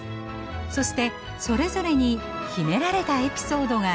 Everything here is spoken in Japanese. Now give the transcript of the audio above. そしてそれぞれに秘められたエピソードがあります。